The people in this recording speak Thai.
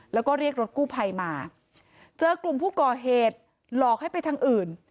แล้วก็เรียกรถกู้ภัยมาเจอกลุ่มผู้ก่อเหตุหลอกให้ไปทางอื่น